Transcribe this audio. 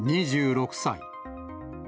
２６歳。